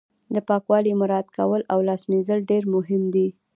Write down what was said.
د پاکوالي مراعت کول او لاس مینځل ډیر مهم دي